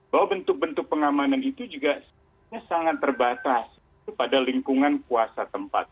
bahwa bentuk bentuk pengamanan itu juga sangat terbatas itu pada lingkungan kuasa tempat